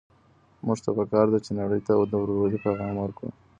موږ ته په کار ده چي نړۍ ته د ورورولۍ پيغام ورکړو.